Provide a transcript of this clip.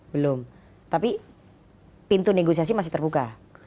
belum tapi pintu negosiasi masih terbuka